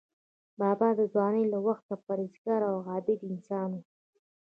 بابا د ځوانۍ له وخته پرهیزګار او عابد انسان و.